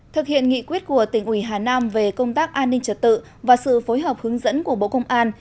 thực hiện nghị quyết của tỉnh ủy hà nam về công tác an ninh trật tự và sự phối hợp hướng dẫn của bộ công an